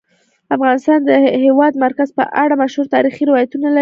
افغانستان د د هېواد مرکز په اړه مشهور تاریخی روایتونه لري.